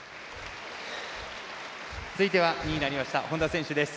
続いては２位になりました本多選手です。